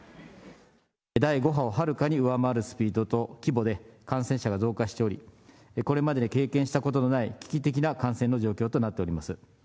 第５波をはるかに上回るスピードと規模で、感染者が増加しており、これまで経験したことのない危機的な感染の状況となっております。